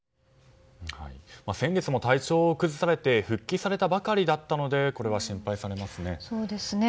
先月も体調を崩されて復帰されたばかりだったのでこれは心配されますね。